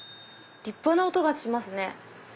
立派な音がしますね！